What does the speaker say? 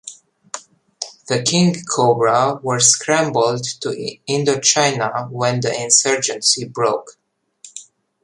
The Kingcobra were scrambled to Indochina when the insurgency broke.